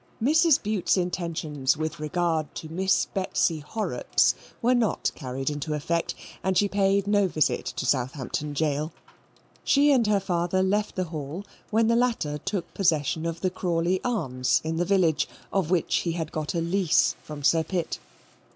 Mrs. Bute's intentions with regard to Miss Betsy Horrocks were not carried into effect, and she paid no visit to Southampton Gaol. She and her father left the Hall when the latter took possession of the Crawley Arms in the village, of which he had got a lease from Sir Pitt.